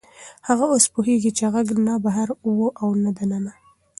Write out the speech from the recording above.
هغه اوس پوهېږي چې غږ نه بهر و او نه دننه.